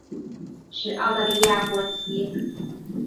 持澳大利亚国籍。